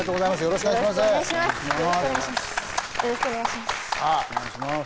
よろしくお願いします。